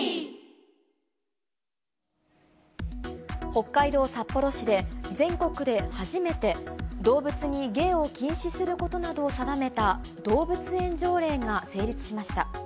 北海道札幌市で全国で初めて動物に芸を禁止することなどを定めた動物園条例が成立しました。